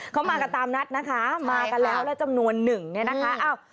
เขามากันตามนัดนะคะมากันแล้วแล้วจำนวนหนึ่งเนี่ยนะคะ